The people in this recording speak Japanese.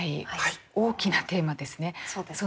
大きなテーマですね。